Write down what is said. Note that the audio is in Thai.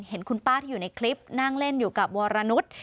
เห็นคุณป้าที่อยู่ในคลิปนั่งเล่นอยู่กับวรนุษย์